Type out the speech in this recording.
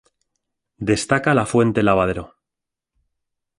Destaca la fuente lavadero